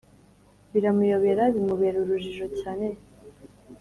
biramuyobera : bimubera urujijo. cyane